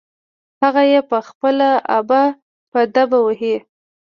هغه يې په خپله ابه په دبه وهي.